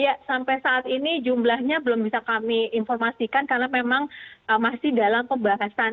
ya sampai saat ini jumlahnya belum bisa kami informasikan karena memang masih dalam pembahasan